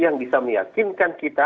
yang bisa meyakinkan kita